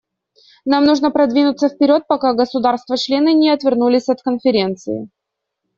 Нам нужно продвинуться вперед, пока государства-члены не отвернулись от Конференции.